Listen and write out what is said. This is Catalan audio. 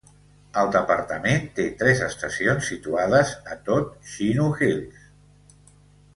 El departament té tres estacions situades a tot Chino Hills.